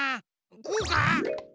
こうか？